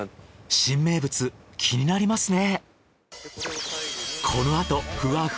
新名物気になりますね。